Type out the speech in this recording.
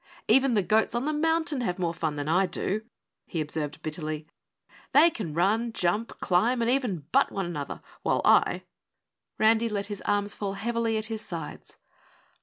"Even the goats on the mountain have more fun than I do," he observed bitterly. "They can run, jump, climb and even butt one another, while I " Randy let his arms fall heavily at his sides.